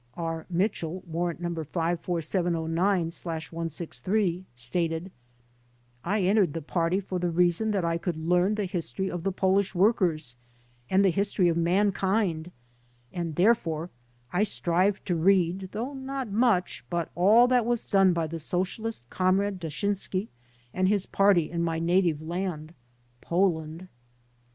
R. Mitchell (Warrant No. 54709/163) stated: "I entered the party for the reason that I could learn the history of the Polish workers and the history of mankind and, therefore, I strived to read, though not much, but all that was done by the Socialist Comrade Dashinsky and his party in my native land, Poland."